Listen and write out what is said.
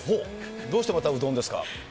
どうしてまたうどんですか？